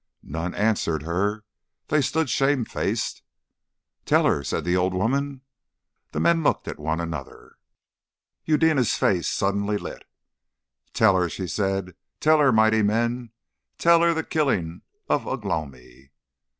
None answered her. They stood shame faced. "Tell her," said the old woman. The men looked at one another. Eudena's face suddenly lit. "Tell her," she said. "Tell her, mighty men! Tell her the killing of Ugh lomi."